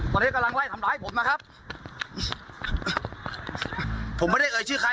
ตอนนี้กำลังไล่ทำร้ายผมนะครับผมไม่ได้เอ่ยชื่อใคร